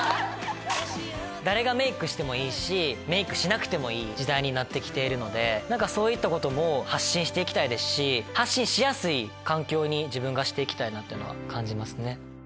誰がメイクしてもいいしメイクしなくていい時代になってきているのでそういったことも発信していきたいですし発信しやすい環境に自分がしていきたいって感じます。